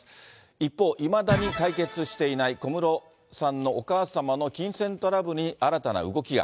一方、いまだに解決していない小室さんのお母様の金銭トラブルに新たな動きが。